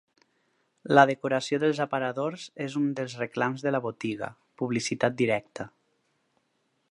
La decoració dels aparadors és un dels reclams de la botiga, publicitat directa.